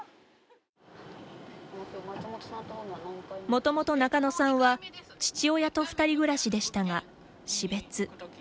もともと中野さんは父親と２人暮らしでしたが死別。